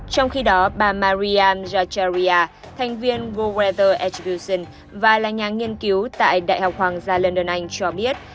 trong khi đó bà mariam jajaria thành viên world weather attribution và là nhà nghiên cứu tại đại học hoàng gia london anh cho biết